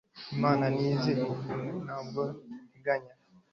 Imana ntiyigeze ihindura nta nubwo iteganya